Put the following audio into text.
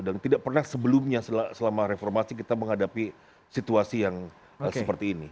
dan tidak pernah sebelumnya selama reformasi kita menghadapi situasi yang seperti ini